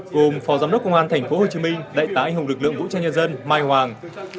gồm phó giám đốc công an tp hcm đại tá anh hùng lực lượng vũ trang nhân dân mai hoàng